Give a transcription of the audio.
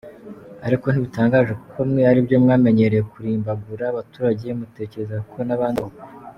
Ariko ntibitangaje kuko mwe aribyo mwamenyereye kurimbagura abaturage mutekereza ko nabandi aruko.